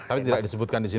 tapi tidak disebutkan disitu